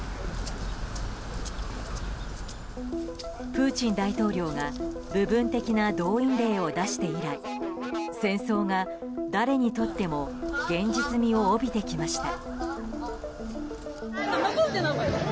プーチン大統領が部分的な動員令を出して以来戦争が誰にとっても現実味を帯びてきました。